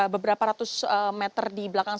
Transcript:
beberapa ratus meter di belakang